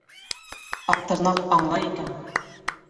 Аҡтырнаҡ аңлай икән.